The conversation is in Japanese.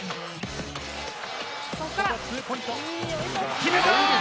決めた。